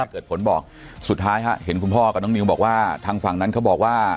เกิดผลบอกสุดท้ายเห็นคุณพ่อกับน้องนิวบอกว่าทางฝั่งนั้นเขาบอกว่า